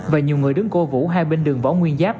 và nhiều người đứng cố vũ hai bên đường võ nguyên giáp